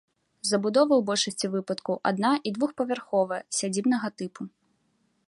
Забудова ў большасці выпадкаў адна- і двухпавярховая сядзібнага тыпу.